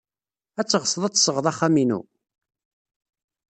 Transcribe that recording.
Ad teɣsed ad tesɣed axxam-inu?